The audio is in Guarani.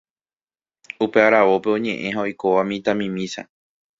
upe aravópe oñe'ẽ ha oikóva mitãmimícha.